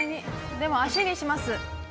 でも、足にします。